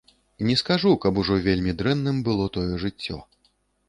Не скажу, каб ужо вельмі дрэнным было тое жыццё.